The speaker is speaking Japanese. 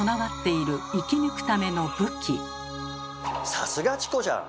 さすがチコちゃん！